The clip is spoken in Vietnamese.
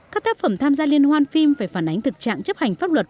các tác phẩm tham gia liên hoan phim phải phản ánh thực trạng chấp hành pháp luật